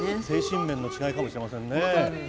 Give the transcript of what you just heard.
精神面の違いかもしれませんね。